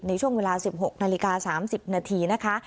ในช่วงเวลา๑๖นาฬิกา๓๐นาทีนะคะ